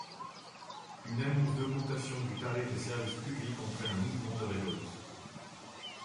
Une annonce d'augmentation du tarif des services publics entraîne un mouvement de révolte.